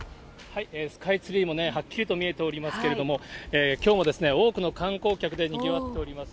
スカイツリーもはっきりと見えておりますけれども、きょうもですね、多くの観光客でにぎわっております